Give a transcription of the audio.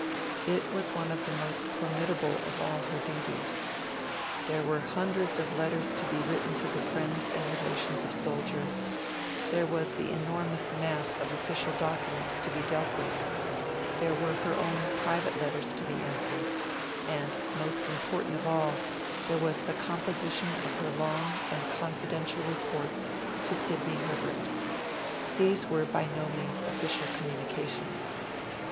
It was one of the most formidable of all her duties. There were hundreds of letters to be written to the friends and relations of soldiers; there was the enormous mass of official documents to be dealt with; there were her own private letters to be answered; and, most important of all, there was the composition of her long and confidential reports to Sidney Herbert. These were by no means official communications.